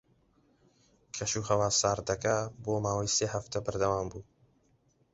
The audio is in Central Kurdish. کەشوهەوا ساردەکە بۆ ماوەی سێ هەفتە بەردەوام بوو.